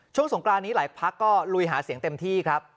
สงกรานนี้หลายพักก็ลุยหาเสียงเต็มที่ครับ